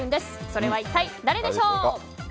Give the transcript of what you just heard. それは一体誰でしょう。